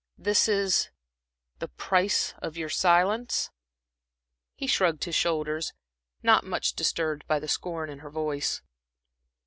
This is the the price of your silence?" He shrugged his shoulders, not much disturbed by the scorn in her voice.